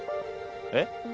えっ！？